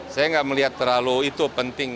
saya nggak melihat terlalu itu penting